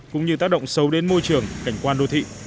cũng như tác động sâu đến môi trường cảnh quan đô thị